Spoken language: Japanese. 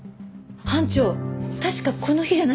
班長確かこの日じゃないですか？